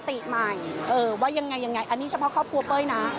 ตั้งสติใหม่ว่ายังไงอันนี้เฉพาะครอบครัวเป้ยนะ